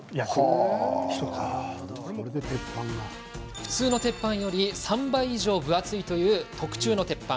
普通の鉄板より３倍以上分厚いという特注の鉄板。